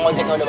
saya pas nyujur